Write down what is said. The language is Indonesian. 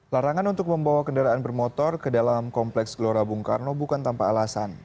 larangan untuk membawa kendaraan bermotor ke dalam kompleks gelora bung karno bukan tanpa alasan